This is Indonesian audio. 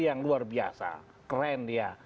yang luar biasa keren dia